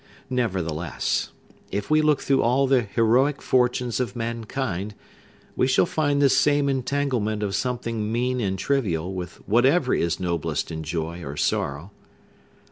Nevertheless, if we look through all the heroic fortunes of mankind, we shall find this same entanglement of something mean and trivial with whatever is noblest in joy or sorrow.